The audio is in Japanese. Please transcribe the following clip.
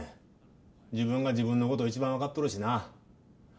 自分が自分の事一番わかっとるしな。